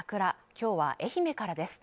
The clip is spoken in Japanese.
今日は愛媛からです。